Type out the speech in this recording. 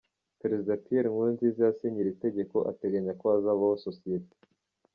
Perezida Pierre Nkurunziza yasinye iri tegeko ateganya ko hazabaho sosiyete.